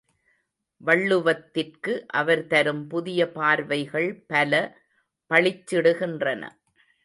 வள்ளுவத்திற்கு அவர் தரும் புதிய பார்வைகள் பல பளிச்சிடுகின்றன.